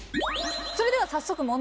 それでは早速問題です。